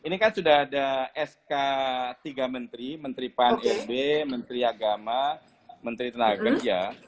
ini kan sudah ada sk tiga menteri menteri pan rb menteri agama menteri tenaga ya